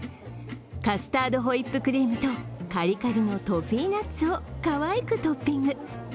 カスタードホイップクリームとカリカリのトフィーナッツをかわいくトッピング。